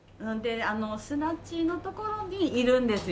砂地の所にいるんですよ